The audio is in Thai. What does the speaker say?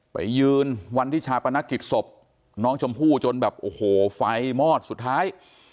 ไปยืนวันที่ชาปนกิจศพน้องชมพู่จนแบบโอ้โหไฟมอดสุดท้าย